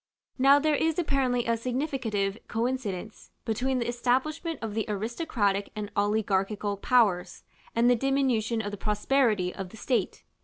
§ VI. Now there is apparently a significative coincidence between the establishment of the aristocratic and oligarchical powers, and the diminution of the prosperity of the state.